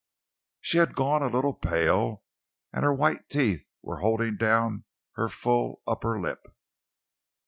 She had gone a little pale, and her white teeth were holding down her full under lip.